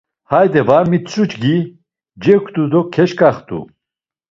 Hayde var mitzu gii, cegutu do keşk̆axt̆u.